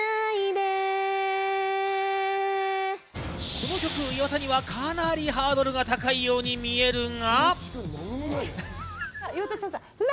この曲、岩田にはかなりハードルが高いように見えるが。